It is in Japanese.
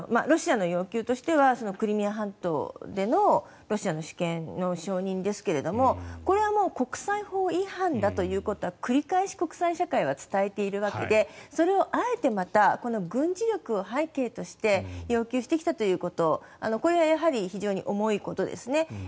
ロシアの要求としてはクリミア半島でのロシアの主権の承認ですがこれはもう国際法違反だということは繰り返し国際社会は伝えているわけでそれをあえてまた軍事力を背景として要求してきたということこれはやはり非常に重いことです。